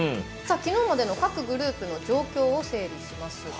きのうまでの各グループの状況を整理します。